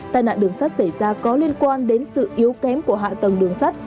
tai nạn đường sắt xảy ra có liên quan đến sự yếu kém của hạ tầng đường sắt